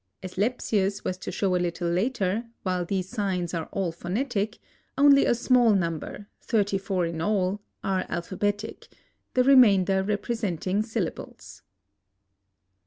As Lepsius was to show a little later, while these signs are all phonetic, only a small number—thirty four in all—are alphabetic, the remainder representing syllables.